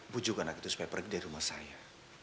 bujuk anak itu supaya pergi dari rumah saya